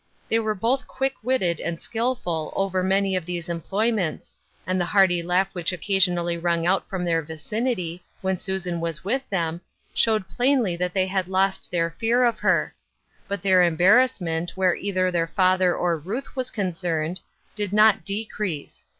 They were both quick witted and skill ful over many of these employments, and the hearty laugh which occasionally rung out from their vicinity, when Susan was with them, showed plainly that they had lost their fear of her; but their embarrassment, where either their father or Ruth was concerned, did not decrease.